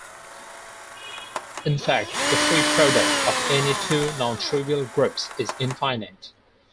In fact, the free product of any two nontrivial groups is infinite.